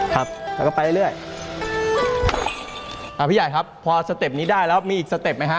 ครับแล้วก็ไปเรื่อยเรื่อยอ่าพี่ใหญ่ครับพอสเต็ปนี้ได้แล้วมีอีกสเต็ปไหมฮะ